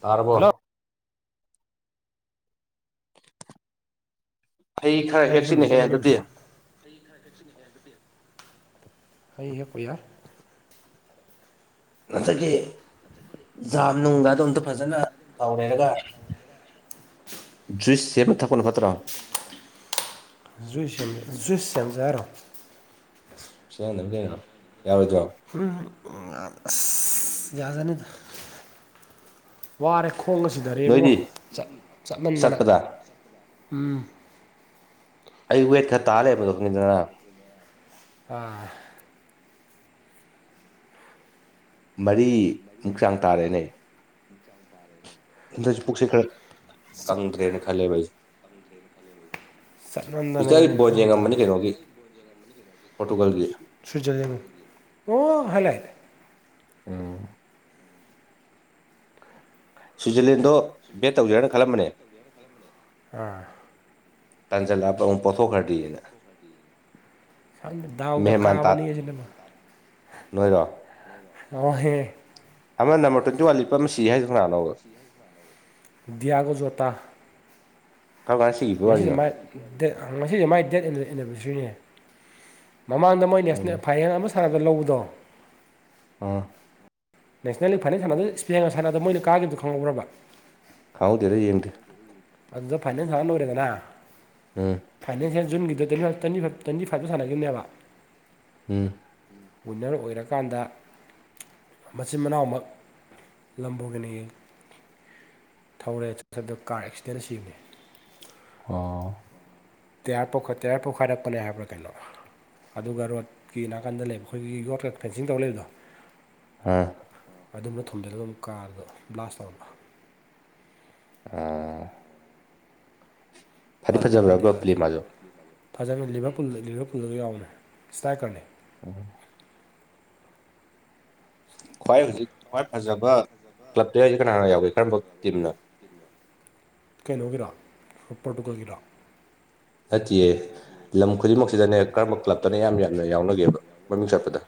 ꯇꯥꯔꯕ ꯍꯜꯂꯣ ꯍꯩ ꯈꯔ ꯄꯥ ꯁꯦꯝꯃꯤꯁ ꯍꯦꯛꯁꯤꯅꯦꯍꯦ ꯑꯗꯨꯗꯤ ꯃꯅꯨꯡꯁꯤ ꯍꯩ ꯍꯦꯛꯄ ꯌꯥꯔ ꯑꯁꯗꯒꯤ ꯖꯥꯝ ꯅꯨꯡꯗꯗꯣ ꯑꯝꯇ ꯐꯖꯅ ꯇꯧꯔꯦꯔꯒ ꯖꯨꯏꯁ ꯁꯦꯝꯅ ꯊꯛꯄꯅ ꯐꯠꯇ꯭ꯔꯣ ꯨꯏ ꯁꯖꯨ ꯁꯦꯟꯖꯔꯣ ꯁꯤ ꯅ ꯌꯥꯎꯗꯣ ꯎꯝ ꯑꯁ ꯌꯥꯖꯅꯤꯗ ꯋꯥꯔꯦ ꯈꯣꯡꯉ ꯁꯤꯗꯔꯦ ꯏꯕꯨꯡꯉꯣ ꯅꯣꯏꯗꯤ ꯆꯠꯃꯟꯗꯅ ꯆꯠꯄꯗ ꯎꯝ ꯑꯩ ꯋꯦꯠ ꯈꯔ ꯇꯥꯜꯔꯦ ꯃꯗꯨꯣ ꯈꯪꯗꯅ ꯑꯥ ꯃꯔꯤꯃꯨꯛ ꯆꯥꯡ ꯇꯥꯔꯦꯅꯦ ꯆꯪ ꯇꯥꯔꯦꯒ ꯍꯟꯗꯁꯨ ꯄꯨꯛꯁꯦ ꯈꯔ ꯀꯪꯗ꯭ꯔꯦꯅ ꯈꯜꯂꯦꯕ ꯑꯩꯁꯦ ꯆꯠꯃꯟꯗꯅ ꯇ ꯏꯕꯨꯡꯉꯣ ꯕꯣ ꯂꯣꯏ ꯍꯟꯗꯒ꯭ꯔꯦ ꯌꯦꯡꯉꯝꯕꯅꯤ ꯀꯩꯅꯣꯒꯤ ꯄꯣꯔꯇꯨꯒꯜꯒꯤ ꯁ꯭ꯋꯤꯠꯖꯔꯂꯦꯟ ꯑꯣ ꯍꯂ ꯎꯝ ꯁ꯭ꯋꯤꯠꯖꯔꯂꯦꯟꯗꯣ ꯕꯦꯠ ꯇꯧꯖꯔꯅ ꯈꯜꯂꯝꯕꯅꯦ ꯑꯥ ꯇꯥꯟꯁꯤꯜꯂꯛꯄ ꯑꯃꯨꯛ ꯄꯣꯊꯣꯛꯈ꯭ꯔ꯭ꯔꯤꯌꯦꯅ ꯁꯝꯅ ꯗꯥꯎꯗ ꯃꯦꯍꯦꯃꯥꯟ ꯇꯥꯠ ꯀꯥꯕꯅꯦ ꯁꯤꯅꯦꯕ ꯅꯣꯏꯔꯣ ꯍꯦ ꯑꯃꯅ ꯅꯝꯕꯔ ꯇ꯭ꯋꯦꯟꯇꯤ ꯋꯥꯟ ꯂꯤꯄ ꯑꯃ ꯁꯤ ꯍꯥꯏꯗ ꯉꯅꯥꯥꯟꯅꯣꯕ ꯗꯤꯌꯥꯒꯣ ꯖꯣꯇꯥ ꯀꯔꯝ ꯀꯥꯟ ꯁꯤꯒꯤꯕꯩ ꯉꯁꯤꯁꯦ ꯋꯥꯔꯤꯅꯣ ꯃꯥꯏ ꯉꯁꯤꯁꯦ ꯃꯥꯏ ꯗꯦꯠ ꯑꯦꯅꯤꯚꯔꯁꯔꯤꯅꯦ ꯃꯃꯥꯡꯗ ꯃꯣꯏ ꯎꯝ ꯅꯦꯁꯅꯦꯜ ꯐꯥꯏ ꯁꯥꯥꯒ ꯂꯧꯕꯗꯣ ꯑꯣꯥ ꯅꯦꯁꯅꯦꯒꯤ ꯐꯥꯏꯅꯜ ꯁꯥꯟꯅꯗ ꯁ ꯏꯁꯄꯦꯅꯔ ꯁꯥꯟꯅꯗ ꯃꯣꯏ ꯀꯈꯤꯕꯗꯗꯨ ꯈꯪꯍꯧꯔꯕ ꯈꯥꯎꯗꯦꯔꯦ ꯌꯦꯡꯇꯤ ꯑꯗꯨꯗ ꯐꯥꯏꯅꯦꯜꯁ ꯁꯥꯟꯅ ꯅꯧꯔꯦꯗꯅꯅꯥ ꯎꯝ ꯐꯥꯏꯅꯥꯟꯁꯤꯌꯦ ꯖꯨꯟꯒꯤꯗ꯭ꯤ ꯇ꯭ꯋꯦꯟꯤ ꯇ꯭ꯋꯦꯟꯤꯥꯏꯚꯇ ꯁꯥꯟꯅꯈꯤꯕꯅꯦꯕ ꯎꯝ ꯎꯟꯅꯔ ꯑꯣꯏꯔꯀꯥꯟꯗ ꯃꯆꯤꯟ ꯃꯅꯥꯎꯃꯛ ꯂꯝꯕꯣꯏꯒꯤꯅꯤ ꯊꯧꯔꯦꯗ ꯀꯥꯔ ꯑꯦꯛꯁꯤꯗꯦꯟ ꯁꯤꯕꯅꯤ ꯑꯣ ꯇꯦꯌꯥꯔ ꯇꯦꯌꯥꯔ ꯄꯣꯛꯈꯥꯏꯔꯛꯄꯅꯦ ꯍꯥꯏꯕ꯭ꯔꯥ ꯀꯩꯅꯣ ꯑꯗꯨꯒ ꯔꯣꯠꯀꯤ ꯅꯥꯀꯟꯗ ꯂꯩꯕ ꯑꯩꯈꯣꯏꯒꯤ ꯌꯣ ꯐꯦꯟꯁꯤꯡ ꯇꯧ ꯂꯩꯕꯗꯣ ꯍꯥꯥ ꯑꯗꯨꯝꯅ ꯊꯨꯝꯖꯤꯜꯂꯒ ꯑꯃꯨꯛ ꯀꯥꯔꯗꯣ ꯕ꯭ꯂꯥꯁ ꯇꯧꯅꯕ ꯑꯥ ꯐꯗꯤ ꯐꯖꯕ꯭ꯔꯕ ꯄ꯭ꯂꯦ ꯃꯥꯁꯨ ꯐꯖꯅ ꯂꯤꯚꯔ ꯂꯤꯚꯔ ꯄꯨꯜꯗ ꯌꯥꯎꯅ ꯏꯁ꯭ꯇꯥꯏꯀꯔꯅꯦ [inaudible] ꯈ꯭ꯋꯥꯏ ꯍꯧꯖꯤꯛ ꯈ꯭ꯋꯥꯏ ꯐꯖꯕ ꯀ꯭ꯂꯕꯇ ꯍꯥꯏꯁꯤ ꯀꯅꯥꯅ ꯌꯥꯎꯏꯦ ꯀꯔꯝꯕ ꯇꯤꯝꯅ ꯀꯩꯅꯣꯒꯤꯔ ꯄꯣꯔꯇꯨꯒꯜꯒꯤꯔ ꯅꯠꯇꯌꯦ ꯂꯝ ꯈꯨꯗꯤꯡꯃꯛꯁꯤꯗꯅꯦ ꯀꯔꯝꯕ ꯀ꯭ꯂꯞꯇꯅ ꯌꯥꯝ ꯌꯥꯝꯅ ꯌꯥꯎꯅꯒꯦꯕ ꯃꯃꯤꯡ ꯆꯠꯄꯗ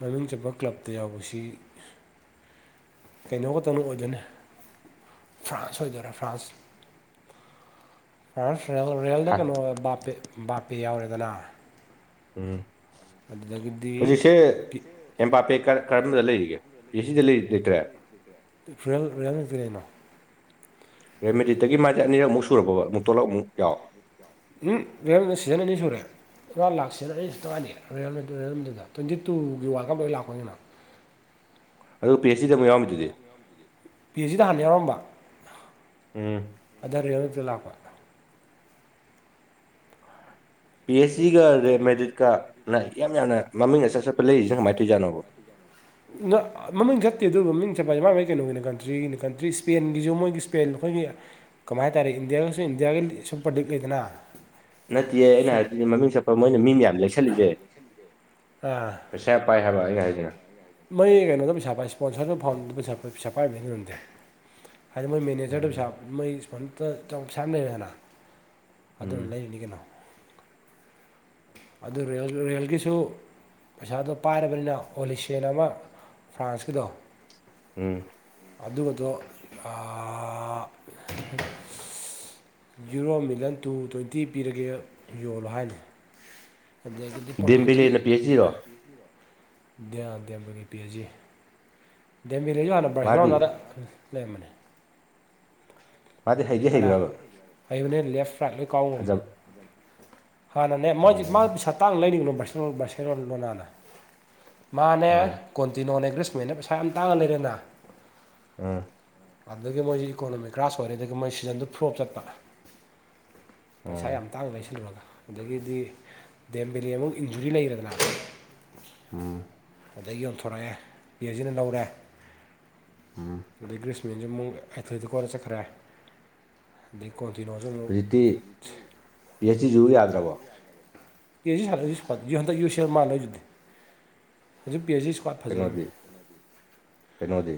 ꯃꯃꯤꯡ ꯆꯠꯄ ꯀ꯭ꯂꯞꯇ ꯌꯥꯎꯕꯁꯤ ꯀꯩꯅꯣ ꯈꯛꯇꯅ ꯑꯣꯏꯗꯣꯏꯅꯦ ꯐ꯭ꯔꯥꯟꯁ ꯑꯣꯏꯗꯣꯏꯔꯥ ꯐ꯭ꯔꯥꯟꯁ [unintelligible] ꯔꯦꯜꯗ ꯍꯥ ꯀꯩꯅꯣ ꯕꯥꯞꯄꯦ ꯕꯥꯞꯄꯦ ꯌꯥꯎꯔꯦꯗꯅ ꯎꯝ ꯑꯗꯨꯗꯒꯤꯗꯤ ꯍꯧꯖꯤꯛꯁꯦ ꯑꯦꯝꯄꯥꯄꯦꯛ ꯀ ꯀꯔꯝꯕꯗ ꯂꯩꯔꯤꯒꯦ ꯄꯤ ꯁꯤꯗ ꯂꯩ ꯂꯩꯇ꯭ꯔꯦ [unintelligible] ꯔꯦꯃꯦꯗꯤꯗꯇꯒꯤ ꯃꯥꯗꯤ ꯑꯅꯤꯔꯛ ꯑꯃꯨꯛ ꯁꯨꯔꯕꯕ ꯑꯃꯨꯛ ꯇꯂꯞ ꯑꯃꯨꯛ ꯌꯥꯎ ꯎꯝ [unintelligible] ꯁꯤꯖꯟ ꯑꯅꯤ ꯁꯨꯔꯦ ꯏꯔꯥ ꯂꯥꯛꯁꯤꯅ ꯑꯩ ꯇꯉꯥꯏꯅꯤꯗꯨꯗ ꯇ꯭ꯋꯦꯟꯇꯤ ꯇꯨꯒꯤ ꯋꯥꯔꯜ ꯀꯞ ꯂꯥꯛꯄꯅꯤꯅ ꯑꯗꯨ ꯄꯤ ꯑꯥꯏꯆ ꯁꯤꯗ ꯑꯃꯨꯛ ꯌꯥꯎꯔꯝꯃꯤꯗꯨꯗꯤ ꯄꯤ ꯑꯦꯁꯤꯗ ꯍꯥꯟ ꯌꯥꯎꯔꯝꯕ ꯎꯝ ꯍꯟꯗꯛ ꯔꯦꯜꯃꯤꯠ ꯇ ꯂꯥꯛꯄ ꯄꯤ ꯑꯩꯆ ꯒꯗꯦ ꯃꯦꯗꯤꯠꯀꯅ ꯌꯥꯝ ꯌꯥꯝꯅ ꯃꯃꯤꯡ ꯑꯆꯥꯠ ꯆꯠꯄ ꯂꯩꯔꯤꯁꯤꯅ ꯀꯃꯥꯏꯅ ꯇꯧꯔꯤꯖꯥꯠꯅꯣꯕ ꯃꯃꯤꯡ ꯊꯠꯇꯦ ꯑꯗꯨꯕꯨ ꯃꯃꯤꯡ ꯆꯠꯄ ꯍꯥꯏꯁꯦ ꯃꯥꯒꯤ ꯀꯩꯅꯣꯒꯤꯅ ꯀꯟꯇ꯭ꯔꯤꯒꯤꯅ ꯀꯟꯇ꯭ꯔꯤ ꯏꯁ꯭ꯄꯦꯟꯒꯤꯁꯨ ꯃꯣꯏꯒꯤ ꯏꯁ꯭ꯄꯦꯟ ꯑꯩꯈꯣꯏꯒꯤ ꯀꯃꯥꯏ ꯍꯥꯏꯇꯥꯔꯦ ꯏꯟꯗꯤꯌꯥꯒꯁꯨ ꯏꯟꯗꯤꯌꯥꯒꯤ ꯁꯨꯄꯔ ꯂꯤꯛ ꯂꯩꯗꯅ ꯅꯠꯇꯤꯌꯦ ꯑꯩꯅ ꯁꯨꯞ ꯍꯥꯏꯗꯨꯗꯤ ꯃꯃꯤꯡ ꯆꯠꯄ ꯃꯣꯏꯅ ꯃꯤ ꯃ ꯌꯥꯝ ꯂꯦꯛꯁꯜꯂꯤꯁꯦ ꯄꯩꯁꯥ ꯄꯥꯏ ꯍꯥꯏꯕ ꯑꯩꯅ ꯍꯥꯏꯖꯤꯅ ꯃꫭꯏ ꯀꯩꯅꯣꯗ ꯄꯩꯁꯥ ꯄꯥꯏ ꯏꯁ꯭ꯄꯣꯟꯁꯔꯁꯨ ꯐꯥꯎꯟꯗꯔ ꯄꯩꯁ ꯄꯩꯁꯥ ꯄꯥꯏꯕꯩꯖꯨ ꯑꫭꯏꯔꯝꯖꯥꯏ ꯍꯥꯏꯗꯤ ꯃꯣꯏ ꯎꯝ ꯃꯦꯅꯦꯖꯔꯗꯨꯁꯨ ꯁꯥ ꯃꯣꯏ ꯏꯁꯣꯟ ꯄꯩꯁꯥ ꯂꯩꯔꯦꯅ ꯎꯝ ꯑꯗꯨꯗ ꯂꯩꯔꯤꯅꯤ ꯀꯩꯅꯣ ꯑꯗꯨ ꯔꯦꯜ ꯔꯦꯜꯒꯤꯁꯨ ꯄꯩꯁꯥꯗꯣ ꯄꯥꯏꯔꯕꯅꯤꯅ ꯑꯣꯂꯤꯁꯤꯌꯥꯟ ꯑꯃ ꯐ꯭ꯔꯥꯟꯁꯀꯤꯗꯣ ꯎꯝ ꯑꯗꯨꯒꯗꯣ ꯑ ꯌꯨꯔꯣ ꯃꯤꯂꯤꯌꯟ ꯇꯨ ꯇ꯭ꯋꯦꯟꯇꯤ ꯄꯤꯔꯒꯦ ꯌꯣꯜꯂꯣ ꯍꯥꯏꯅꯤ ꯑꯗꯒꯤꯗꯤ ꯄꫭꯔꯇꯣꯒꯜꯒꯤ ꯗꯦꯝꯕꯦꯂꯦꯅ ꯄꯤ ꯑꯩꯆ ꯗꯤꯔꯣ [unintelligible] ꯗꯦꯃꯦ ꯂꯩꯁꯨ ꯍꯥꯟꯅ ꯃꯥꯗꯤ ꯕꯔꯁꯦꯂꫭꯅꯗ ꯂꯩꯔꯝꯕꯅꯦ ꯃꯥꯗꯤ ꯍꯩꯗꯤ ꯀꯅꯥ ꯍꯩꯕ꯭ꯔꯕ ꯍꯩꯕꯅꯦ ꯂꯦꯐ ꯔꯥꯏꯠ ꯂꯣꯏ ꯀꯥꯎꯉꯝꯕꯅꯦ ꯐꯖꯕ ꯍꯥꯟꯅꯅꯦ ꯃꯣꯏ ꯍꯧꯖꯤ ꯎꯝ ꯃꯥ ꯄꯩꯁꯥ ꯇꯥꯡ ꯂꯩꯔꯤꯉꯅꯣ ꯕꯥꯔ ꯕꯥꯁꯔꯣꯟꯜ ꯂꯣꯅꯥꯅ ꯃꯥꯅꯦ ꯎꯝ ꯀꯣꯟꯇꯤꯅꯣꯅꯦ ꯑꯦꯒ꯭ꯔꯦꯁꯃꯦꯟꯅ ꯄꯩꯁꯥ ꯌꯥꯝ ꯇꯥꯡꯉ ꯂꯩꯔꯦꯅ ꯎꯝ ꯑꯗꯨꯗꯒꯤ ꯃꯣꯏꯁꯤ ꯏꯀꯣꯅꯣꯃꯤ ꯀ꯭ꯔꯥꯁ ꯑꯣꯏꯔꯦ ꯑꯗꯒꯤ ꯃꯣꯏ ꯁꯤꯖꯟꯗꯨ ꯐ꯭ꯂꯣꯞ ꯆꯠꯄ ꯄꯩꯁꯥ ꯎꯝ ꯌꯥꯝ ꯇꯥꯡ ꯂꯩꯁꯤꯜꯂꯨꯔꯒ ꯑꯗꯒꯤꯗꯤ ꯗꯦꯝꯕꯂꯤ ꯑꯃꯨꯛ ꯏꯟꯖꯨꯔꯤ ꯂꯩꯔꯗꯅ ꯎꯝ ꯑꯗꯒꯤ ꯌꯣꯟꯊꯣꯔꯛꯑꯦ ꯌꯦꯁꯤꯅ ꯂꯧꯔꯦ ꯎꯝ ꯑꯗꯩ ꯒ꯭ꯔꯤꯁꯃꯤꯦꯟꯁꯨ ꯑꯃꯨꯛ ꯑꯥꯏꯊꯣꯏꯗ ꯀꯣꯟꯅ ꯆꯠꯈ꯭ꯔꯦ [unintelligible] ꯍꯧꯖꯤꯛꯇꯤ ꯄꯤ ꯑꯩꯆ ꯇꯤꯖꯤꯕꯨ ꯌꯥꯗ꯭ꯔꯕꯣ ꯀꯦꯖꯤ ꯁꯥꯠꯂꯁꯨ ꯌꯨꯟꯛ ꯌꯨ ꯁꯤ ꯑꯦꯜ ꯃꯥꯜꯂꯣꯏ ꯑꯗꯨꯗꯤ ꯍꯧꯖꯤꯛꯤ ꯑꯩꯆ ꯏꯁ꯭ꯠ ꯀꯩꯅꯣꯗꯤ ꯀꯩꯅꯣꯗꯤ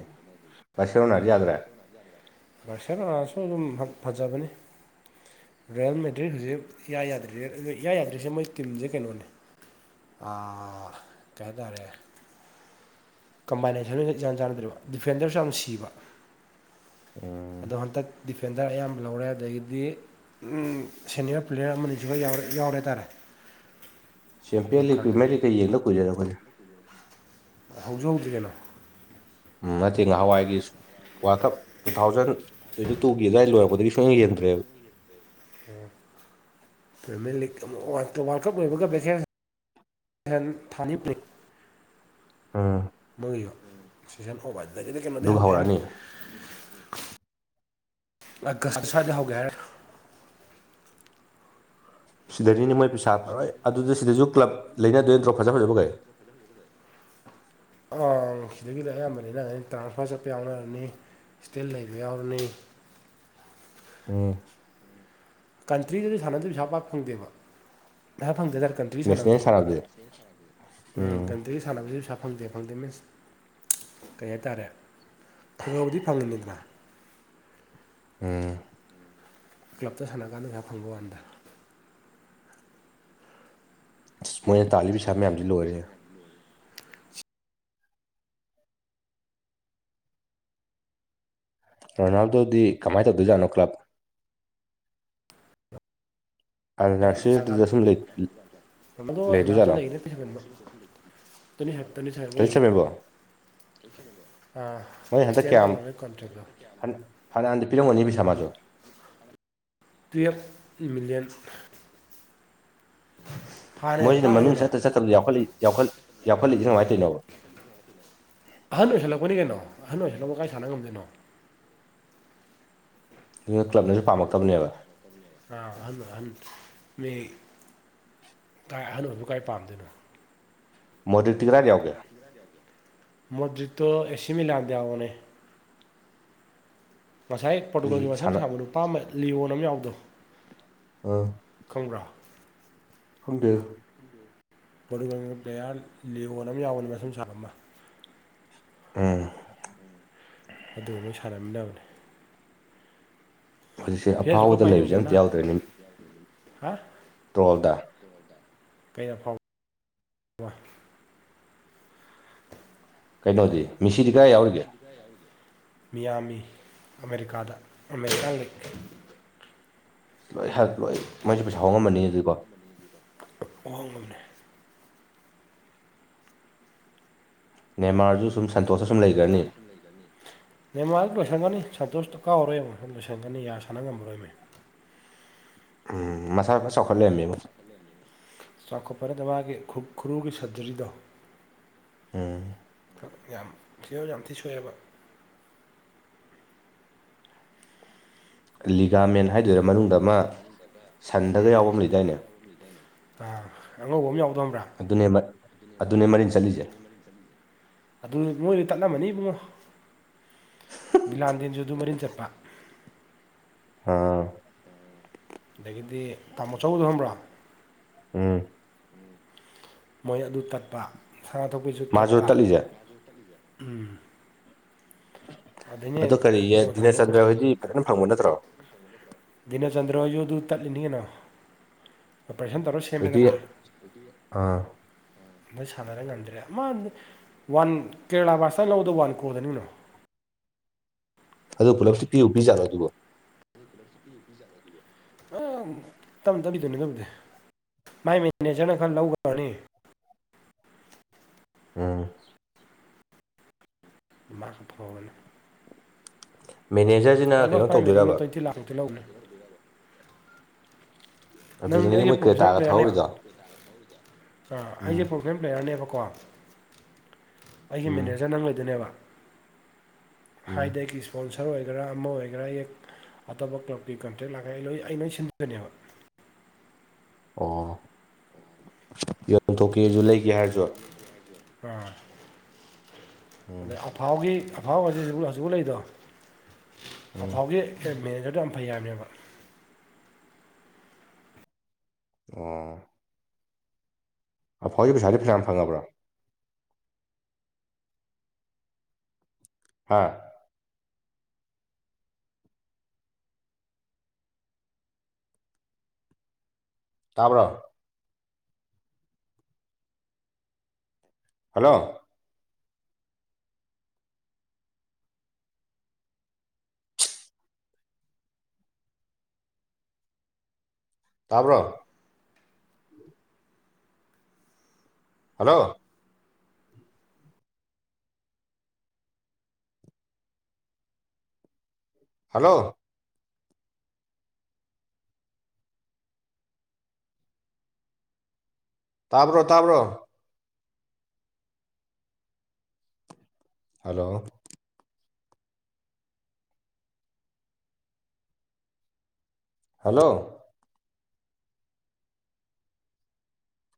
ꯕꯥꯔꯁꯦꯂꯣꯅꯥꯗꯤ ꯑꯦ ꯌꯥꯗ꯭ꯔꯦ ꯔꯁꯔꯁꯨ ꯑꯗꯨꯝ ꯐꯖꯕꯅꯤ ꯔꯣꯌꯦꯜ ꯃꯦꯇ꯭ꯔꯤꯛ ꯍꯧꯖꯤꯛ ꯏ ꯌꯥꯗ꯭ꯔꯤ ꯌꯥ ꯌꯥꯗ꯭ꯔꯤꯁꯦ ꯃꯣꯏ ꯇꯤꯝꯁꯦ ꯀꯩꯅꯣꯅꯦ ꯑ ꯀꯩ ꯇꯔꯦ ꯀꯝꯕꯥꯏꯅꯦꯁꯟ ꯏꯥꯟ ꯆꯥꯟꯅꯗꯣꯔꯤꯕ ꯗꯤꯐꯦꯟꯗꯔꯁꯨ ꯌꯥꯝ ꯁꯤꯕ ꯎꯝ ꯑꯗꯣ ꯍꯟꯇꯛ ꯗꯤꯐꯦꯟꯗꯔ ꯑꯌꯥꯝꯕ ꯂꯧꯔꯦ ꯑꯗꯒꯤꯗꯤ ꯁꯦꯅꯤꯌꯔ ꯄ꯭ꯂꯦꯌꯔ ꯑꯃꯅꯤꯁꯨꯒ ꯌꯥꯎꯔꯦ ꯍꯥꯏ ꯇꯥꯔꯦ ꯆꯦꯝꯄꯤꯌꯟ ꯂꯤ ꯄ꯭ꯔꯤꯃꯤꯌꯥꯔꯤ ꯀꯩ ꯌꯦꯡꯕ ꯀꯨꯏꯖꯔꯛꯄꯅꯤ ꯍꯧꯖꯤ ꯍꯧꯗ꯭ ꯀꯩꯅꯣ ꯎ ꯅꯠꯇꯦ ꯉꯍꯥꯟꯋꯥꯏꯒꯤꯁꯨ world cup two thousand twenty ꯇꯨꯒꯤ ꯑꯗꯨꯋꯥꯏ ꯂꯣꯏꯔꯛꯄꯗꯒꯤ ꯁꯨꯡꯅ ꯌꯦꯦꯟꯗ꯭ꯔꯦꯕ ꯑꯣ ꯐꯦꯃꯤꯂꯤ ꯂꯤꯛ ꯋꯥꯔꯜ ꯀꯞ ꯂꯣꯏꯕꯒ ꯕꯦꯦꯟ ꯊꯅꯤꯄꯦ ꯎꯝ ꯃꯨꯉꯌꯣ ꯁꯤꯖꯟ ꯑꯣꯕ ꯑꯗꯨꯗꯒꯤꯗꯤ ꯀꯩꯅꯣꯗꯤ ꯑꯗꯨꯒ ꯍꯧꯒꯦꯅꯤ ꯍꯧꯔꯛꯑꯅꯤ ꯑ ꯁꯥꯗ ꯍꯧꯒꯦꯔ ꯁꯤꯗꯅꯤꯅꯦ ꯃꯣꯏ ꯄꯩꯁꯥ ꯐꯔꯣꯏ ꯑꯗꯨꯗ ꯁꯤꯗꯁꯨ ꯀ꯭ꯂꯕ ꯂꯩꯅꯗꯣꯏꯗ꯭ꯔꯣ ꯐꯖ ꯐꯖꯕ ꯀꯩ ꯑꯪ ꯁꯤꯗꯒꯤꯗꯤ ꯑꯌꯥꯝꯕꯅꯤꯅꯅꯤ ꯇ꯭ꯔꯥꯟꯁꯐꯔ ꯆꯠꯄ ꯌꯥꯎꯅꯔꯅꯤ ꯏꯁꯇꯤꯜ ꯂꯩꯕ ꯌꯥꯎꯔꯅꯤ ꯎ ꯀꯟꯇ꯭ꯔꯤꯗꯗꯤ ꯁꯥꯟꯅꯗꯕ ꯏꯁꯥ ꯄꯥꯛ ꯐꯪꯗꯦꯕ ꯉꯁꯥ ꯐꯪꯖꯔꯀ ꯁꯅ ꯅꯦꯁꯅꯦꯜ ꯁꯥꯟꯅꯕꯁꯦ ꯎꯝ ꯀꯗ ꯁꯥꯟꯅꯕꯁꯤꯁꯨ ꯄ ꯏꯁꯥ ꯐꯪꯗꯦ ꯐꯪꯗꯦ ꯃꯤꯟꯁ ꯀꯩ ꯍꯥꯏꯇꯥꯔꯦ ꯊꯛꯒꯕꯨꯗꯤ ꯐꯪꯒꯟꯅꯤꯗ꯭ꯔ ꯎꯝ ꯀ꯭ꯂꯞꯇ ꯁꯥꯟꯅ ꯀꯥꯟꯗꯩꯥ ꯐꯪꯕ ꯀꯥꯟꯗ ꯑ ꯃꯣꯏꯅ ꯇꯥꯜꯂꯤꯕ ꯄꯩꯥ ꯃꯌꯥꯝꯁꯤ ꯂꯣꯏꯔꯦ ꯔꯣꯅꯥꯜꯗꯣꯗꯤ ꯀꯃꯥꯏꯅ ꯇꯧꯗꯣꯏꯖꯥꯠꯅꯣ ꯀ꯭ꯂꯕ ꯑꯜ ꯅꯥꯁꯤꯔꯗꯨꯗ ꯁꯨꯝ ꯃꯣ ꯑꯁꯨ ꯂꯩꯗꯣꯏꯖꯥꯠꯂꯣ ꯂꯩꯔ ꯄꯩꯁ ꯇ ꯍꯇꯅꯤ ꯁꯔꯕ ꯂꯣꯏ ꯂꯒꯦ ꯆꯨꯝꯃꯦꯕꯣ ꯑꯦꯛꯁꯇꯦꯟ ꯇꯧꯔꯅꯤꯣꯏ ꯀꯣꯟꯇ꯭ꯔꯦꯛꯇꯣ ꯐꯅꯥꯟꯗ ꯄꯤꯔꯝꯒꯅꯤ ꯁꯥꯥꯃꯁꯨꯣ ꯇꯨꯌꯦꯞ ꯃꯤꯂꯤꯌꯟ ꯍꯥꯟꯅ ꯌꯥꯝ ꯃꯣꯏꯁꯤꯅ ꯃꯃꯤꯡ ꯇꯥꯡꯉꯦꯅ ꯆꯠꯇ ꯆꯠꯇꯕꯗꯈ ꯌꯥꯎꯈꯠꯂꯛꯏꯁꯦ ꯀꯃꯥꯏꯅ ꯇꯧꯅꯣꯕ ꯑꯍꯟ ꯑꯣꯏꯁꯜꯂꯛꯄꯅꯤ ꯀꯩꯅꯣ ꯑꯍꯟ ꯑꯣꯏꯁꯜꯂꯛꯄ ꯀꯥꯏ ꯁꯥꯟꯅ ꯉꯝꯗꯣꯏꯅꯣ ꯑꯗꯨꯅ ꯀ꯭ꯂꯕꯅꯁꯨ ꯄꯥꯝꯂꯛꯇꯕꯅꯦꯕ ꯑꯥ ꯍ ꯍ ꯃꯤ ꯀꯥꯏ ꯑꯍꯟ ꯑꯣꯏꯗꯨ ꯀꯥꯏ ꯄꯥꯝꯗꯣꯏꯅꯣ ꯃꯗꯨꯇꯒ꯭ꯔꯗꯤ ꯃꯣꯗꯔꯤꯠꯇꯣ ꯑꯦꯁꯤ ꯃꯤ ꯂꯥꯗ ꯑꯣꯅꯦ ꯉꯁꯥꯏ ꯑꯩ ꯄꯣꯔꯇꯨꯒꯜꯒꯤ ꯃꯝ ꯁꯥꯟꯅ ꯁꯥꯡꯕ ꯅꯨꯄꯥ ꯑꯃ ꯂꯤꯌꯣꯟ ꯑꯃ ꯌꯥꯎꯗꯣ ꯑ ꯈꯣꯡꯕ꯭ꯔꯥ ꯈꯪꯗꯦ ꯕꯣꯂꯤꯕꯣꯜꯒꯤ ꯄ꯭ꯂꯦꯌꯥꯔ ꯂꯤꯌꯣꯟ ꯑꯃ ꯌꯥꯎꯕꯅꯦꯕ ꯁꯨꯝ ꯁꯥꯕ ꯑꯃ ꯑꯦ ꯑꯗꯨꯒꯨꯝꯕꯣꯏ ꯁꯥꯟꯅꯃꯤꯟꯅꯅꯕꯅꯦ ꯍꯧꯖꯤꯛꯁꯦ ꯐꯤꯔꯁꯨ ꯀꯞ ꯑꯐꯥꯎꯕꯗ ꯂꯩꯕꯁꯦ ꯄꯥꯏꯅꯤꯡꯗ꯭ꯔꯦꯅ ꯑꯝꯇ ꯌꯥꯎꯗ꯭ꯔꯦꯅꯤꯃꯤ ꯍꯥ ꯇ꯭ꯔꯣꯜꯗ ꯀꯩꯗ ꯐꯥꯎ ꯋꯥ ꯀꯩꯅꯣꯗꯤ ꯃꯤꯁꯤꯗꯤ ꯀꯗꯥꯏ ꯌꯥꯎꯔꯤꯒꯦ [unintelligible] ꯃꯤꯌꯥꯝꯃꯤ ꯑꯃꯦꯔꯤꯀꯥꯗ ꯑꯃꯦꯔꯤꯀꯥꯒꯤ ꯂꯣꯏ ꯍ ꯂꯣꯏ ꯃꯣꯏꯁꯦ ꯄꯩꯁꯥ ꯍꯣꯡꯉꯝꯃꯅꯤ ꯑꯗꯨꯗꯤ ꯀꯣ ꯍꯣꯡ ꯑꯝꯅꯦ ꯅꯦꯃꯥꯔꯁꯨ ꯁꯨꯝ ꯁꯟꯇꯣꯁꯇ ꯃꯦꯟꯃꯥꯔꯗ ꯁꯨꯝ ꯂꯩꯈ꯭ꯔꯅꯤ ꯁꯟꯖꯦꯛꯁꯟ ꯂꯩꯒꯅꯤ ꯅ ꯃꯥꯁꯨ ꯂꯣꯏꯁꯤꯟꯒꯅꯤ ꯁꯟꯇꯣꯁꯇꯣ ꯀꯥꯎꯔꯣꯏ ꯑꯃꯡꯨꯛ ꯁ ꯂꯣꯏꯁꯤꯟꯒꯅꯤ ꯌꯥ ꯁꯥꯟꯅ ꯉꯝꯃꯔꯣꯏꯅꯦ ꯎꯝ ꯃꯁꯥ ꯈꯔ ꯆꯥꯎꯈꯠꯂꯔꯝꯃꯦꯕ ꯆꯥꯎꯈꯠꯄꯗ ꯃꯥꯒꯤ ꯈꯨꯔꯨꯒꯤ ꯁꯔꯇꯤꯔꯗꯣ ꯎꯝ ꯌꯥꯝ ꯐꯤꯕꯝ ꯌꯥꯝ ꯊꯤ ꯁꯣꯛꯑꯦꯕ ꯂꯤꯒꯥꯃꯦꯟ ꯍꯥꯏꯗꯣꯏꯔꯥ ꯃꯅꯨꯡꯗ ꯑꯃ ꯁꯟꯗꯒ ꯌꯥꯎꯕ ꯑꯃ ꯂꯩꯗꯥꯏꯅꯦ ꯑꯥ ꯑꯉꯧꯕ ꯑꯃ ꯌꯥꯎꯕꯗꯣꯡꯈꯪꯕ꯭ꯔ ꯑꯗꯨꯅꯦ ꯑꯗꯨꯅꯦ ꯃꯔꯤꯟ ꯆꯠꯂꯤꯁꯦ ꯑꯗꯨ ꯃꯣꯏꯗ ꯇꯠꯂꯝꯃꯅꯤ ꯏꯕꯨꯡꯉꯣ ꯕꯤꯂꯥꯟꯗꯦꯟꯁꯨ ꯑꯗꯨ ꯃꯔꯤꯟ ꯆꯠꯄ ꯑꯥ ꯑꯗꯒꯤꯗꯤ ꯇꯥꯃꯣ ꯑꯆꯧꯕꯗꯨꯣ ꯈꯪꯕ꯭ꯔꯥ ꯎꯝ [unintelligible] ꯃꯣꯏ ꯑꯗꯨ ꯇꯠꯄ ꯁꯅ ꯊꯣꯛꯄꯤꯁꯨ ꯃꯥꯁꯨ ꯇꯠꯄ ꯇꯠꯂꯤꯁꯦ ꯎꯝ ꯑꯗꯣ ꯀꯔꯤꯌꯦ ꯗꯤꯅꯦꯆꯟꯗ꯭ꯔ ꯍꯣꯏꯗꯤ ꯐꯖꯅ ꯐꯪꯕ ꯅꯠꯇ꯭ꯔꯣ ꯗꯤꯟꯆꯗ꯭ꯔ ꯍꯣꯏꯁꯨ ꯑꯗꯨꯗꯨ ꯇꯠꯂꯤꯅꯤ ꯀꯩꯅꯣ ꯑꯣꯄꯔꯦꯁꯟ ꯇꯧꯔ ꯍꯧꯖꯤꯛꯇꯤ ꯁꯦꯝꯃꯦꯗꯅ ꯑꯥ ꯅ ꯁꯥꯟꯅꯔ ꯉꯝꯗ꯭ꯔꯦ ꯃꯥ ꯋꯥꯟ ꯀꯦꯔꯂꯥ ꯕꯥꯔꯁꯇ ꯂꯧꯕꯗ ꯋꯥꯟ ꯀꯣꯗꯅꯤꯅꯣ ꯑꯗꯨ ꯄꯨꯂꯞꯁꯨ ꯄꯤꯕꯨ ꯄꯤꯔꯛꯖꯥꯠꯂꯣ ꯑꯗꯨꯕꯣ [unintelligible] ꯑ ꯇꯞꯅ ꯇꯝꯕꯤꯗꯅꯦ ꯇꯗ ꯃꯥꯏ ꯃꯦꯅꯦꯖꯔꯅ ꯈꯔ ꯂꯧꯈ꯭ꯔꯅꯤ ꯎꯝ [unintelligible] ꯃꯦꯅꯦꯖꯔ ꯑꯣꯜꯃꯣꯁꯥ ꯐꯥꯏꯞ ꯃꯦꯗꯜ ꯇ꯭ꯨꯋꯅꯇꯤ ꯂꯥꯛꯈꯨꯛꯇꯤ ꯂꯧꯈ꯭ꯔꯦ ꯅꯪꯗꯤ ꯑꯗꯨꯗꯅꯤꯅꯦ ꯑꯩꯒꯤ ꯃꯣꯏ ꯄ꯭ꯔꯣꯐꯦꯁꯅꯦꯜ ꯀ꯭ꯔꯦꯇꯥꯒ ꯄ꯭ꯂꯦꯌꯥꯔꯅꯦꯕ ꯊꯧꯍꯧꯔꯤꯗꯣ ꯑ ꯎꯝ ꯑꯩꯁꯦ ꯄ꯭ꯂꯦꯌꯔꯅꯦꯕꯀꯣ ꯑꯩꯒꯤ ꯎꯝ ꯃꯦꯅꯦꯖꯔ ꯅꯪ ꯂꯩꯗꯣꯏꯅꯦꯕ ꯎꯝ ꯍꯥꯏꯗ ꯑꯩꯀꯤꯁꯨ ꯏꯁꯄꯣꯟꯁꯔ ꯑꯣꯏꯒꯦꯔꯥ ꯑꯃ ꯑꯣꯏꯒꯦꯔꯥ ꯑꯦ ꯑꯇꯣꯞꯄ ꯀ꯭ꯂꯕꯀꯤ ꯀꯣꯟꯇꯦꯛ ꯂꯥꯛꯀꯒꯦ ꯑꯩ ꯂꯣꯏ ꯑꯩ ꯂꯣꯏ ꯁꯤꯟꯗꯣꯏꯅꯦꯕ ꯑꯣ ꯌꯣꯟꯊꯣꯛꯀꯦꯁꯨ ꯂꯩꯒꯦ ꯍꯥꯏꯔꯁꯨ ꯑꯥ ꯎꯝ ꯑꯐꯥꯎꯒꯤ ꯑꯐꯥꯎ ꯍꯥꯏꯕꯁꯤ ꯍꯧ ꯍꯧꯖꯤꯛ ꯂꯩꯗꯣ ꯎꯝ ꯑꯐꯥꯎꯒꯤ ꯑꯦ ꯃꯦꯅꯦꯖꯔꯗꯣ ꯌꯥꯝ ꯐꯩ ꯍꯥꯏꯕꯅꯦꯕ ꯑꯣ ꯑꯐꯥꯎꯒꯤ ꯄꯩꯁꯥꯗꯤ ꯐꯁꯥ ꯐꯪꯉꯕ꯭ꯔꯣ ꯍꯥꯥ ꯇꯥꯕ꯭ꯔꯣ ꯍꯜꯂꯣ ꯇꯥꯕ꯭ꯔꯣ ꯍꯜꯂꯣ ꯍꯜꯂꯣ ꯇꯥꯕ꯭ꯔꯣ ꯇꯥꯕ꯭ꯔꯣ ꯍꯜꯂꯣ ꯍꯜꯂꯣ